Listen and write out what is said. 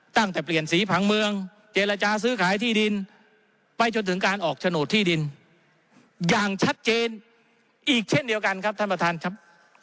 ตั้งแต่เปลี่ยนสีผังเมืองเจรจาซื้อขายที่ดินไปจนถึงการออกโฉนดที่ดินอย่างชัดเจนอีกเช่นเดียวกันครับท่านประธานครับ